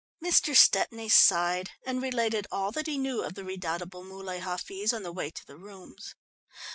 Mr. Stepney sighed and related all that he knew of the redoubtable Muley Hafiz on the way to the rooms.